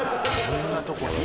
こんなとこに？